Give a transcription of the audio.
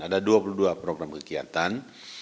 ada dua puluh dua program kegiatan